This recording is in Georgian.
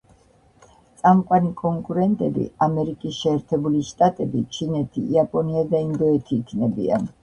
წამყვანი კონკურენტები ამერიკის შეერთებული შტატები, ჩინეთი, იაპონია და ინდოეთი იქნებიან.